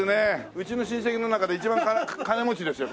うちの親戚の中で一番金持ちですよ